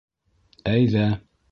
Әйҙә!